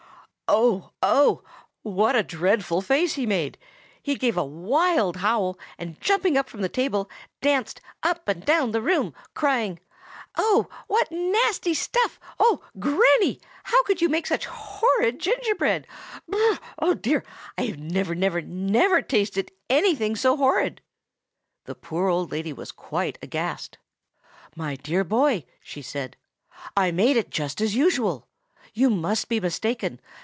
Oh, oh! what a dreadful face he made! He gave a wild howl, and jumping up from the table, danced up and down the room, crying, "Oh! what nasty stuff! Oh, Granny, how could you make such horrid gingerbread? Br r rr! oh, dear! I never, never, never tasted anything so horrid." The poor old lady was quite aghast. "My dear boy," she said, "I made it just as usual. You must be mistaken.